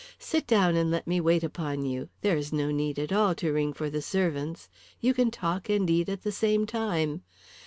"Sit down and let me wait upon you there is no need at all to ring for the servants. You can talk and eat at the same time.